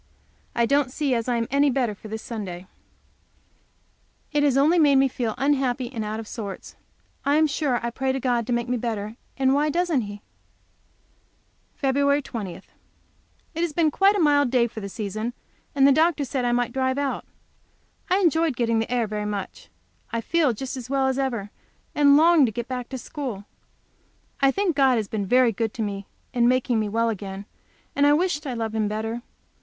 I don't see as I am any the better for this Sunday, it has only made me feel unhappy and out of sorts. I am sure I pray to God to make me better, and why doesn't He? Feb. 20. It has been quite a mild day for the season, and the doctor said I might drive out. I enjoyed getting the air very much. I feel just well as ever, and long to get back to school. I think God has been very good to me in making me well again, and wish I loved Him better.